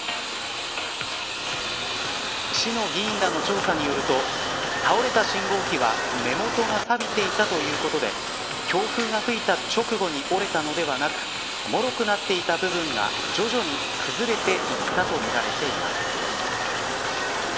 市の議員らの調査によると倒れた信号機は根元がさびていたということで強風が吹いた直後に折れたのではなくもろくなっていた部分が徐々に崩れていったとみられています。